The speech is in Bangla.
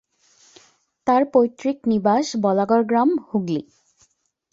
তার পৈতৃক নিবাস বলাগড় গ্রাম, হুগলি।